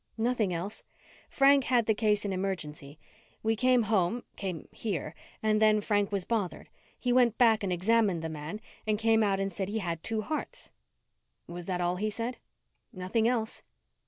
"Nothing else. Frank had the case in Emergency. We came home came here and then Frank was bothered. He went back and examined the man and came out and said he had two hearts." "That was all he said?" "Nothing else."